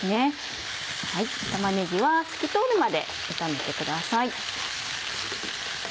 玉ねぎは透き通るまで炒めてください。